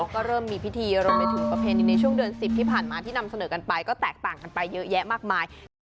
ก็เริ่มมีพิธีรวมไปถึงประเพณีในช่วงเดือน๑๐ที่ผ่านมาที่นำเสนอกันไปก็แตกต่างกันไปเยอะแยะมากมาย